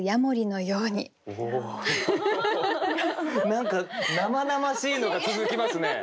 何か生々しいのが続きますね。